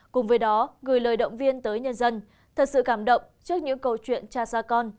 cùng với đó gửi lời động viên tới nhân dân thật sự cảm động trước những câu chuyện cha con